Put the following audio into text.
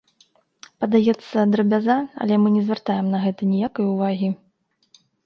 Падаецца, драбяза, але мы не звяртаем на гэта ніякай увагі.